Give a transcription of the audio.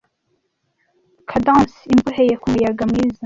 cadence imboheye kumuyaga mwiza